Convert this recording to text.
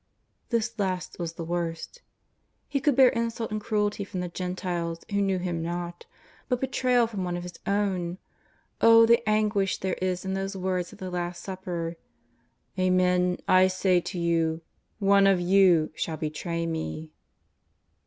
This last was the worst. He could bear insult and cruelty from the Gentiles who knew Him not, but betrayal from one of His own! Oh, the anguish there is in those words at the Last Supper: *'Amen, I say to you, one of you shall betray Me